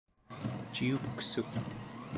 ciuksuk